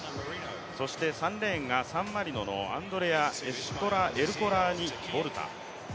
そして３レーンがサンマリノのアンドレア・エルコラーニボルタ。